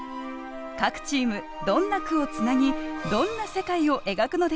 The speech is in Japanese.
各チームどんな句をつなぎどんな世界を描くのでしょう。